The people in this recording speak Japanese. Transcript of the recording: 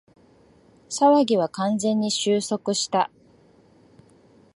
騒ぎは完全に収束した